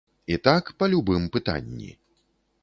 І так па любым пытанні.